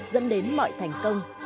dẫn đến mọi thành công